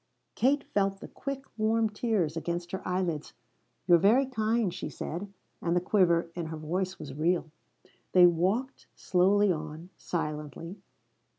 Kate felt the quick warm tears against her eyelids. "You're very kind," she said, and the quiver in her voice was real. They walked slowly on, silently.